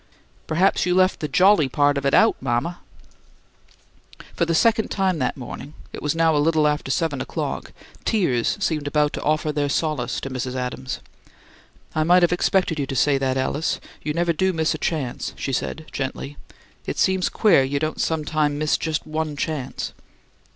"Perhaps you left the 'jolly' part of it out, mama." For the second time that morning it was now a little after seven o'clock tears seemed about to offer their solace to Mrs. Adams. "I might have expected you to say that, Alice; you never do miss a chance," she said, gently. "It seems queer you don't some time miss just ONE chance!"